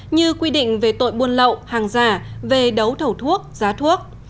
như quy định về tội buôn lậu hàng giả về đấu thầu thuốc giá thuốc